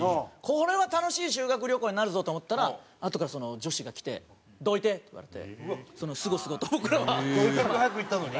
これは楽しい修学旅行になるぞと思ったらあとからその女子が来て「どいて」って言われてすごすごと僕らは。せっかく早く行ったのに？